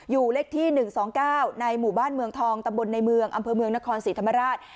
เลขที่๑๒๙ในหมู่บ้านเมืองทองตำบลในเมืองอำเภอเมืองนครศรีธรรมราช